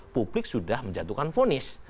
publik sudah menjatuhkan vonis